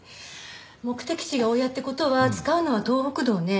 目的地が大谷って事は使うのは東北道ね。